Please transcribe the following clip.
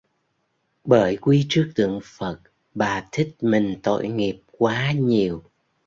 Bởi quý trước tượng Phật Bà thích mình Tội nghiệp quá nhiều